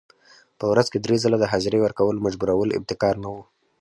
په ورځ کې درې ځله د حاضرۍ ورکولو مجبورول ابتکار نه و.